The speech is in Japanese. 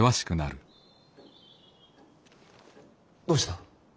どうした？